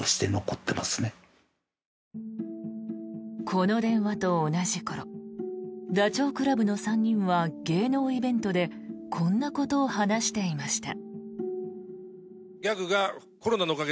この電話と同じ頃ダチョウ倶楽部の３人は芸能イベントでこんなことを話していました。